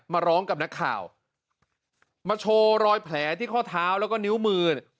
มาร้องกับนักข่าวมาโชว์รอยแผลที่ข้อเท้าแล้วก็นิ้วมือ